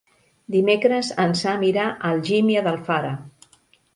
Dimecres en Sam irà a Algímia d'Alfara.